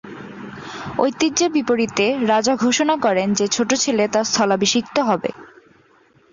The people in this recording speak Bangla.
ঐতিহ্যের বিপরীতে, রাজা ঘোষণা করেন যে ছোট ছেলে তার স্থলাভিষিক্ত হবে।